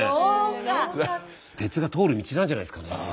鉄が通る道なんじゃないですかね。